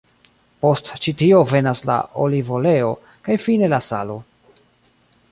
Post ĉi tio venas la olivoleo, kaj fine la salo.